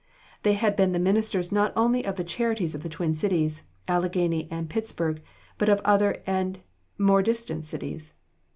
They had been the ministers not only of the charities of the twin cities, Alleghany and Pittsburg, but of other and more distant cities.